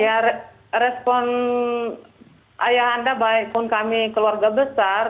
ya respon ayah anda baik pun kami keluarga besar